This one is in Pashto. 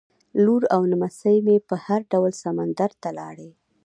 لور او نمسۍ مې په هر ډول سمندر ته لاړې.